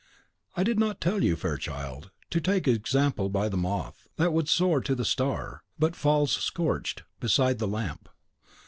I did not tell you, fair child, to take example by the moth, that would soar to the star, but falls scorched beside the lamp.